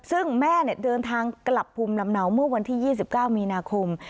ซึ่งแม่เดินทางกลับภูมิลำเนาเมื่อวันที่๒๙มีนาคม